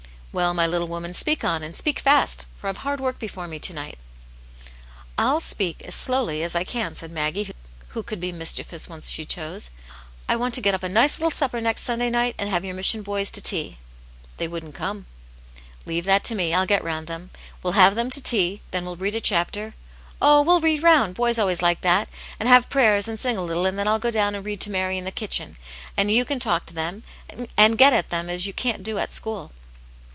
^" Well, my little woman, speak on, and speak fast^ for I've hard work before me to ivight " AttuS Jane's Hero. ;3i .." rU speak as slowly as I can/' said Maggie, wlio could be mischievous when she chose. " I want to get up a nice little supper next Sunday night, and have your Mission boys to tea," " They wouldn't come.'* " Leave that to me. I'll get round them. We'll have them to tea; then we'll read a chapter; oh, we'll read round, boys always like that, and have prayers, and sing a little, and then I'll go down and read to Mary in the kitchen, and you can talk to them, and get at them as you can't do at school.'